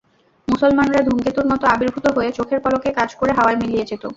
মুসলমানরা ধূমকেতুর মত আভির্ভূত হয়ে চোখের পলকে কাজ করে হাওয়ায় মিলিয়ে যেত।